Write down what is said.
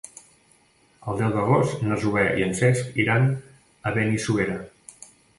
El deu d'agost na Zoè i en Cesc iran a Benissuera.